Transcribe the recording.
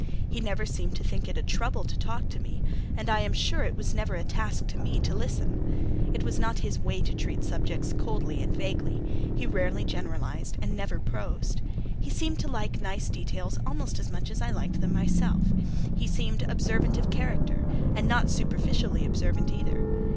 He never seemed to think it a trouble to talk to me, and, I am sure, it was never a task to me to listen. It was not his way to treat subjects coldly and vaguely; he rarely generalized, never prosed. He seemed to like nice details almost as much as I liked them myself: he seemed observant of character: and not superficially observant, either.